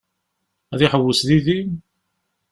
Ad iḥewwes yid-i?